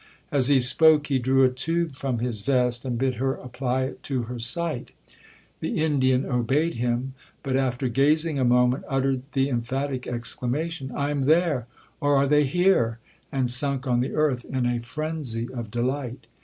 As he spoke he drew a tube from his vest, and bid her apply it to her sight. The Indian obeyed him; but, after gazing a moment, uttered the emphatic exclamation, 'I am there!—or are they here?' and sunk on the earth in a frenzy of delight.